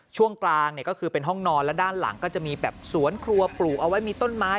ช่วงกลางเนี่ยก็คือเป็นห้องนอนและด้านหลังก็จะมีแบบสวนครัวปลูกเอาไว้มีต้นไม้